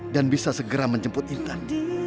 dan bisa segera menjemput intan